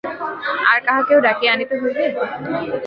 আর-কাহাকেও ডাকিয়া আনিতে হইবে?